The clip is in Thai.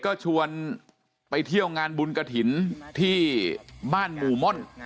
ก็ชวนไปเที่ยวงานบุญกระถิ่นที่บ้านหมู่ม่อน